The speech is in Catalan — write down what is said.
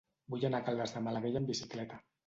Vull anar a Caldes de Malavella amb bicicleta.